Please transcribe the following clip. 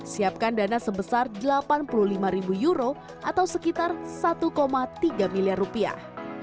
siapkan dana sebesar delapan puluh lima ribu euro atau sekitar satu tiga miliar rupiah